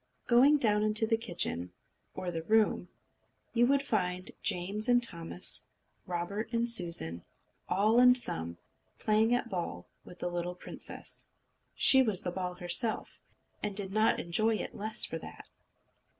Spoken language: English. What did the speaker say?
Going down into the kitchen, or the room, you would find Jane and Thomas, and Robert and Susan, all and sum, playing at ball with the little princess. She was the ball herself, and did not enjoy it the less for that.